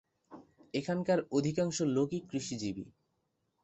এখানকার অধিকাংশ লোকই কৃষিজীবী।